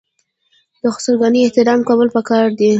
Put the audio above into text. د خسرګنۍ احترام کول پکار دي.